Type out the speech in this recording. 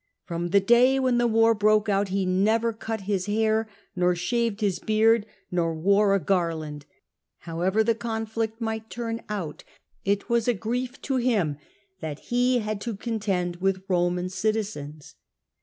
From the day when the war broke out he never cut his hair, nor shaved his beard, nor wore a garland ; how ever the conflict might turn out, it was a grief to him that he had to contend with Roman citizens.